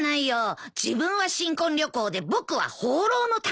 自分は新婚旅行で僕は放浪の旅だよ。